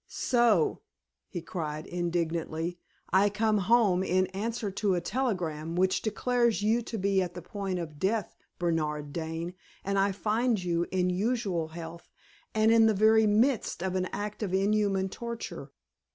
"So!" he cried, indignantly. "I come home in answer to a telegram which declares you to be at the point of death, Bernard Dane, and I find you in usual health, and in the very midst of an act of inhuman torture.